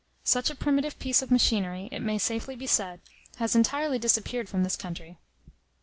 Such a primitive piece of machinery, it may safely be said, has entirely disappeared from this country.